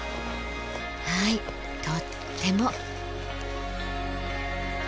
はいとっても。